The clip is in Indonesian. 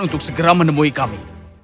untuk segera menemui kami